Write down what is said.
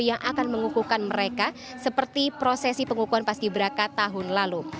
yang akan mengukuhkan mereka seperti prosesi pengukuhan paski beraka tahun lalu